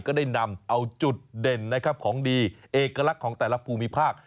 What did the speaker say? ก็ได้นำเอาจุดเด่นนะครับของดีเอกลักษณ์ของแต่ละภูมิภาค